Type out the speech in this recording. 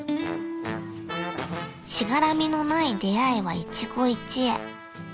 ［しがらみのない出会いは一期一会］